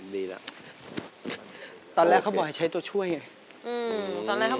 เพลงนี้อยู่ในอาราบัมชุดแรกของคุณแจ็คเลยนะครับ